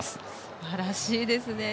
すばらしいですね。